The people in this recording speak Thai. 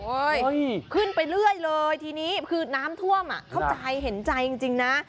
ขึ้นไปเรื่อยเลยทีนี้คือน้ำท่วมอ่ะเข้าใจเห็นใจจริงนะ